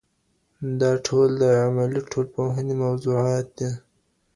دا ټول د عملي ټولنپوهني موضوعات دي.